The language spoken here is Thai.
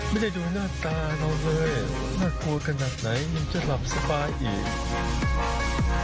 ไม่ได้ดูหน้าตาเราเลยน่ากลัวกระหนักไหนยังจะหลับสบายอีก